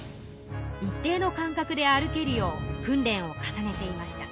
一定のかんかくで歩けるよう訓練を重ねていました。